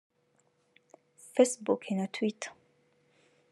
Facebook naTwitter